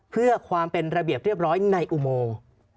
เพื่อความเป็นระเบียบเรียบร้อยในอุโมง